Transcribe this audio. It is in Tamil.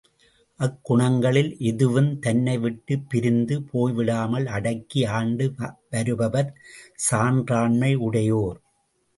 அக் குணங்களில் எதுவுந் தன்னை விட்டுப் பிரிந்து போய்விடாமல் அடக்கி ஆண்டு வருபவர் சான்றாண்மையுடையோர்.